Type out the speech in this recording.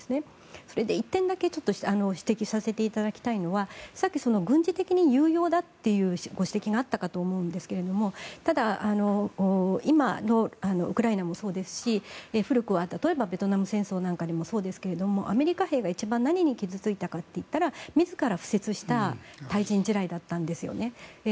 それで１点だけ指摘させていただきたいのはさっき軍事的に有用だというご指摘があったかと思うんですがただ今のウクライナもそうですし古くは例えばベトナム戦争なんかでもそうですがアメリカ兵が一番何に傷付いたかというと自ら敷設した対人地雷だったんですよね。